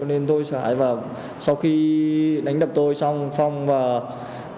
nên tôi xảy vào sau khi đánh đập tôi xong phong và tuấn